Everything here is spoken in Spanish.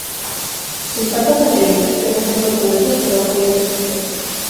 Sus patas anteriores presentan cuatro dedos, pero apoya solo tres.